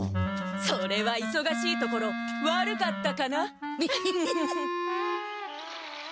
それはいそがしいところ悪かったかな。